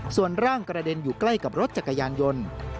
ส่วนร่างกระเด็นอยู่ใกล้กับรถจักรยานยนต์